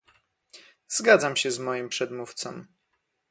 Zgadzam się z moim przedmówcą